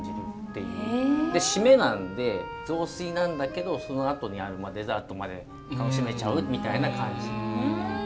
〆なんで雑炊なんだけどそのあとにあるデザートまで楽しめちゃうみたいな感じ。